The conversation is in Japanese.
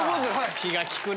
気が利くね。